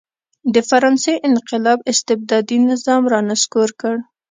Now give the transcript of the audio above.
د فرانسې انقلاب استبدادي نظام را نسکور کړ.